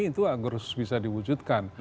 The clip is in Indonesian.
itu agar bisa diwujudkan